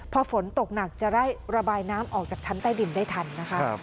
พอฝนตกหนักจะได้ระบายน้ำออกจากชั้นใต้ดินได้ทันนะคะ